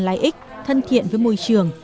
lai ích thân thiện với môi trường